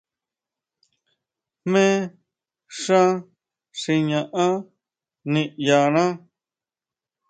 Jmé xá xi ñaʼán niʼyaná.